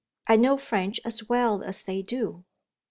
I know French as well as they do."